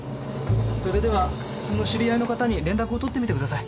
それではその知り合いの方に連絡を取ってみてください。